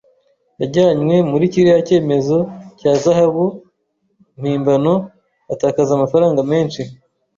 Yajyanywe muri kiriya cyemezo cya zahabu mpimbano atakaza amafaranga menshi